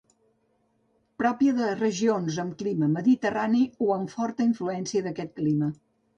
Pròpia de regions amb clima mediterrani o amb forta influència d'aquest clima.